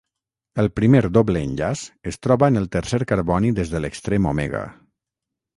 El primer doble enllaç es troba en el tercer carboni des de l'extrem omega.